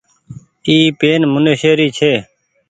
اي پين منيشي ري ڇي۔